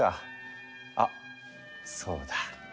あっそうだ。